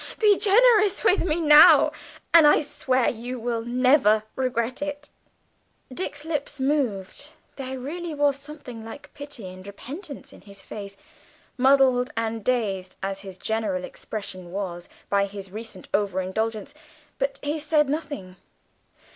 Be generous with me now, and I swear you will never regret it." Dick's lips moved; there really was something like pity and repentance in his face, muddled and dazed as his general expression was by his recent over indulgence, but he said nothing.